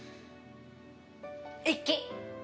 一輝！